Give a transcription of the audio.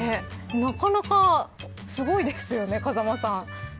なかなかすごいですよね風間さん。